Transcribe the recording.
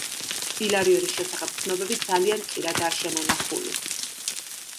ილარიონის შესახებ ცნობები ძალიან მწირადაა შემონახული.